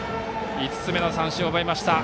５つ目の三振を奪いました。